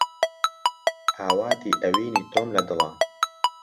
ئاواتی ئەوینی تۆم لە دڵە